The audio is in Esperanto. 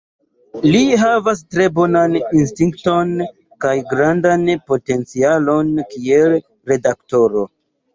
Li havas tre bonan instinkton kaj grandan potencialon kiel redaktoro.